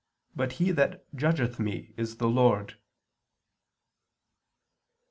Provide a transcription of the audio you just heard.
. but He that judgeth me is the Lord."